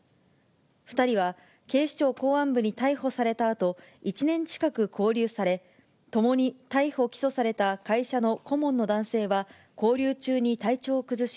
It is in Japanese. ２人は警視庁公安部に逮捕されたあと、１年近く勾留され、共に逮捕・起訴された会社の顧問の男性は、勾留中に体調を崩し、